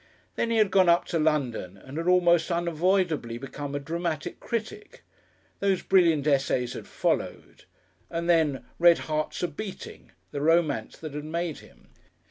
Then he had gone up to London and had almost unavoidedly become a dramatic critic. Those brilliant essays had followed, and then "Red Hearts a Beating," the romance that had made him.